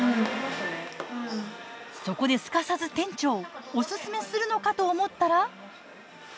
そこですかさず店長オススメするのかと思ったら。